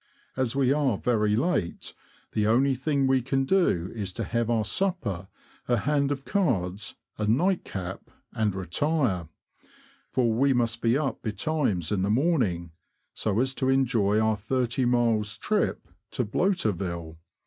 As we are very late, the only thing we can do is to have our supper, a hand of cards, a " nightcap," and retire ; for we must be up betimes in the morning, so as to enjoy our thirty miles trip to " Bloaterville."